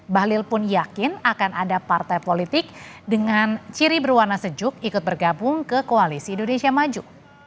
bahlil pun yakin akan ada partai politik dengan ciri berwarna sejuk ikut bergabung ke koalisi indonesia maju